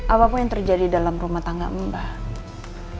apapun yang terjadi dalam rumah tangga mbah